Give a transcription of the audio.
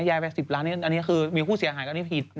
ยายไป๑๐ล้านอันนี้คือมีผู้เสียหายอันนี้ผิด